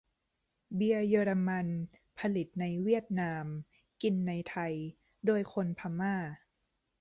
เบียร์เยอรมัน ผลิตในเวียดนาม กินในไทย โดยคนพม่า